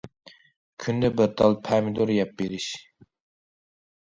كۈندە بىر تال پەمىدۇر يەپ بېرىش.